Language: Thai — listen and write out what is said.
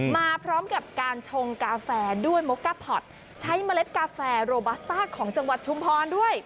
มาพร้อมกับการชงกาแฟด้วยมก้าพอร์ตใช้เมล็ดกาแฟโรบัสต้าของจังหวัดชุมพรด้วย